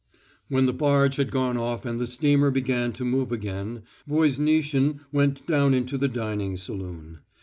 When the barge had gone off and the steamer began to move again, Voznitsin went down into the dining saloon.